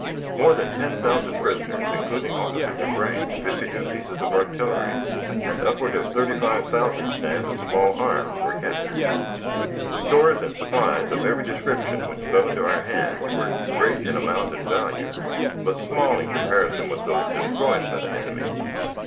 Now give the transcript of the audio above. More than ten thousand prisoners, including officers of rank, fifty two pieces of artillery, and upward of thirty five thousand stand of small arms were captured. The stores and supplies of every description which fell into our hands were great in amount and value, but small in comparison with those destroyed by the enemy.